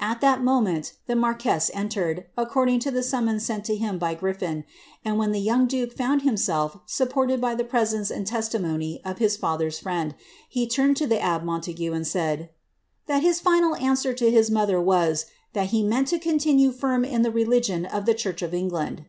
^' At that moment the marquess entered, according to the sum moos sent to him by Griffin ; and when the young duke found himself nipported by the presence and testimony of his father's friend, he turned to the abb^ Montague, and said, ^ that his final answer to his mother ni, that he meant to continue firm in the religion of the church of Eo^iand.